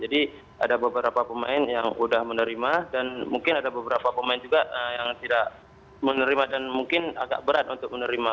jadi ada beberapa pemain yang sudah menerima dan mungkin ada beberapa pemain juga yang tidak menerima dan mungkin agak berat untuk menerima